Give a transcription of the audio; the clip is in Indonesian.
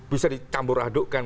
bisa dicambur adukkan